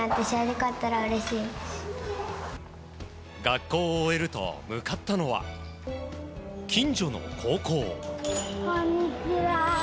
学校を終えると向かったのは近所の高校。